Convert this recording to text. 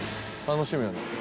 「楽しみやな」